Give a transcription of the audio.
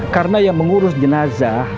karena yang mengurus jenazah